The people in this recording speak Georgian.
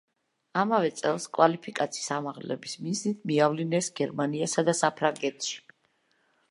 ამავე წელს კვალიფიკაციის ამაღლების მიზნით მიავლინეს გერმანიასა და საფრანგეთში.